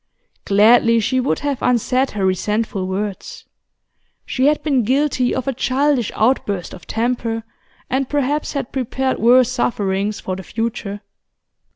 Gladly she would have unsaid her resentful words; she had been guilty of a childish outburst of temper, and perhaps had prepared worse sufferings for the future.